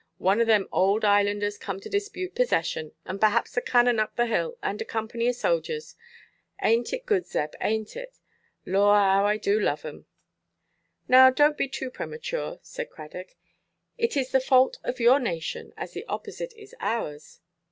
One of them old islanders come to dispute possession. And perhaps a cannon up the hill, and a company of sojers. Ainʼt it good, Zeb, ainʼt it? Lor, how I do love them!" "Now, donʼt be too premature," said Cradock, "it is the fault of your nation, as the opposite is ours."